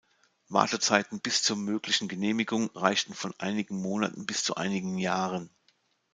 Wartezeiten bis zur möglichen Genehmigung reichten von einigen Monaten bis zu einigen Jahren.